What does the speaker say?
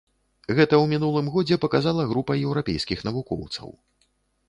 Гэта ў мінулым годзе паказала група еўрапейскіх навукоўцаў.